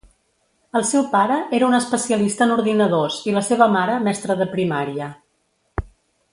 El seu pare era un especialista en ordinadors i la seva mare mestra de primària.